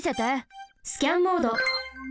スキャンモード。